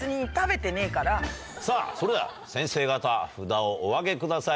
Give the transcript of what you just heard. さぁそれでは先生方札をお上げください